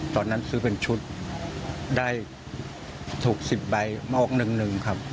ตอนนั้นซื้อเป็นชุดได้ถูก๑๐ใบมอกหนึ่งครับ